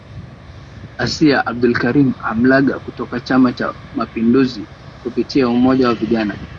Asia Abdulkarim Hamlaga kutoka Chama cha mapinduzi kupitia umoja wa Vijana